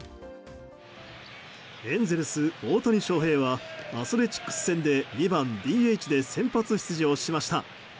エンゼルス、大谷翔平はアスレチックス戦、２番ＤＨで先発出場しました。